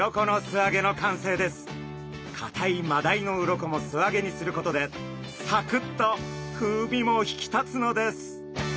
かたいマダイの鱗も素揚げにすることでサクッと風味も引き立つのです。